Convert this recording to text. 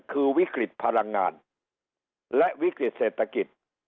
คือวิกฤตพลังงานและวิกฤติเศรษฐกิจ